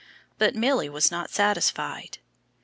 But Milly was not satisfied.